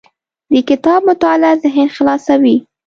د کتاب مطالعه ذهن خلاصوي.